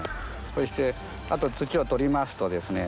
そしてあと土を取りますとですね